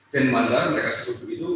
van mander mereka sebut begitu